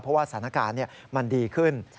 เพราะว่าสถานการณ์มันดีขึ้น